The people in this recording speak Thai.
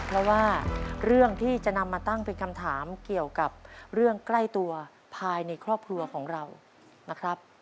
เพราะว่าเรื่องที่จะนำมาตั้งเป็นคำถามเกี่ยวกับเรื่องใกล้ตัวภายในครอบครัวของเรานะครับ